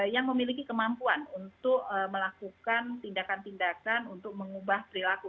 yang memiliki kemampuan untuk melakukan tindakan tindakan untuk mengubah perilaku